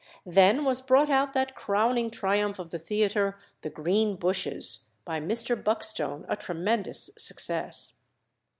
Then was brought out that crowning triumph of the theatre, "The Green Bushes," by Mr. Buckstone a tremendous success.